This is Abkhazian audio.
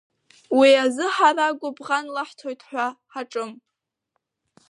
Уи азы ҳара гәыбӷан лаҳҭоит ҳәа ҳаҿым.